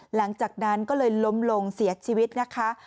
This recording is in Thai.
หลังจากนั้นก็เลยล้มลงเสียชีวิตนะคะ